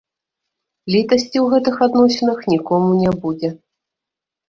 Літасці ў гэтых адносінах нікому не будзе.